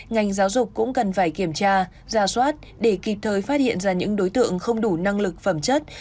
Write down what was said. ngành giáo dục cũng cần phải kiểm tra ra soát để kịp thời phát hiện ra những đối tượng không đủ năng lực phẩm chất